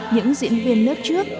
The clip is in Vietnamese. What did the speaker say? những diễn viên lớp trước